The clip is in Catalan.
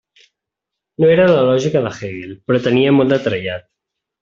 No era la Lògica de Hegel, però tenia molt de trellat.